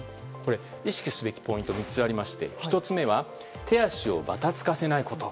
意識すべきポイントが３つありまして１つ目は手足をばたつかせないこと。